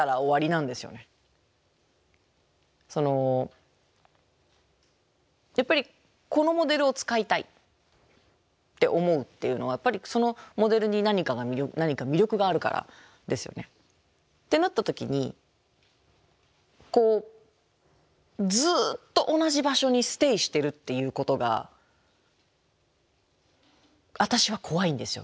そのやっぱりこのモデルを使いたいって思うっていうのはそのモデルに何か魅力があるからですよね。ってなった時にずっと同じ場所にステイしてるっていうことが私は怖いんですよ